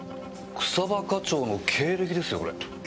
草葉課長の経歴ですよこれ。